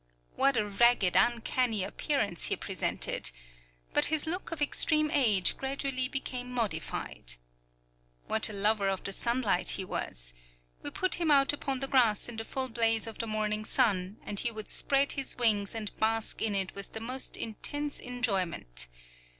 What a ragged, uncanny appearance he presented! but his look of extreme age gradually became modified. What a lover of the sunlight he was! We would put him out upon the grass in the full blaze of the morning sun, and he would spread his wings and bask in it with the most intense enjoyment.